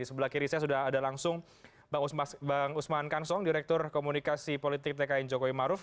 sebelah kiri saya sudah ada langsung bang usman kansong direktur komunikasi politik tkn jokowi maruf